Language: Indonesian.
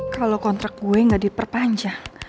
kalau kontrak gue gak diperpanjang